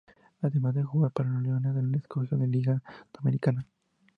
Además de jugar para los Leones del Escogido en la Liga Dominicana.